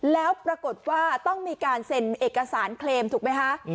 แล้วปรากฏว่าต้องมีการเซ็นเอกสารเคลมถูกไหมคะ